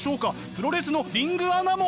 プロレスのリングアナも！